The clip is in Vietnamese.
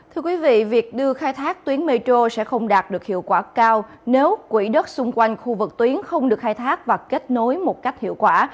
thưa quý vị việc đưa khai thác tuyến metro sẽ không đạt được hiệu quả cao nếu quỹ đất xung quanh khu vực tuyến không được khai thác và kết nối một cách hiệu quả